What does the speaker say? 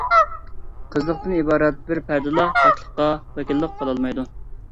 قىزلىقتىن ئىبارەت بىر پەردىلا پاكلىققا ۋەكىللىك قىلالمايدۇ.